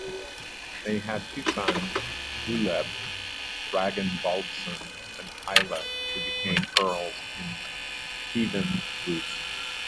They had two sons, Uleb Ragnvaldsson and Eilif, who became earls in Kievan Rus'.